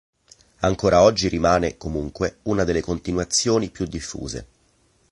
Ancora oggi rimane, comunque, una delle continuazioni più diffuse.